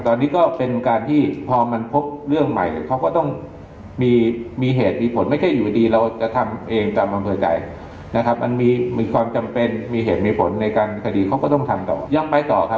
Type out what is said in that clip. ตอนนี้ก็เป็นการที่พอมันพบเรื่องใหม่เขาก็ต้องมีมีเหตุมีผลไม่ใช่อยู่ดีเราจะทำเองตามอำเภอใจนะครับมันมีความจำเป็นมีเหตุมีผลในการคดีเขาก็ต้องทำต่อยังไปต่อครับ